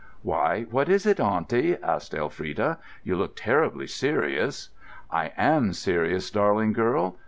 "Why, what is it, auntie?" asked Elfrida: "you look terribly serious." "I am serious, darling girl.